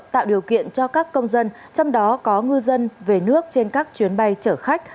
tạo điều kiện cho các công dân trong đó có ngư dân về nước trên các chuyến bay chở khách